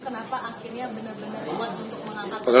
kenapa akhirnya benar benar buat